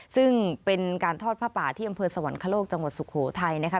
ซึ่งเป็นการทอดผ้าป่าที่อำเภอสวรรคโลกจังหวัดสุโขทัยนะคะ